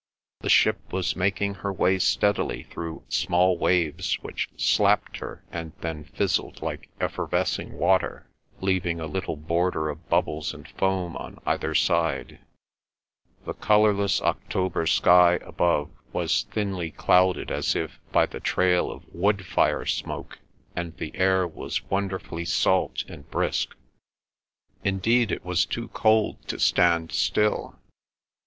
The ship was making her way steadily through small waves which slapped her and then fizzled like effervescing water, leaving a little border of bubbles and foam on either side. The colourless October sky above was thinly clouded as if by the trail of wood fire smoke, and the air was wonderfully salt and brisk. Indeed it was too cold to stand still. Mrs.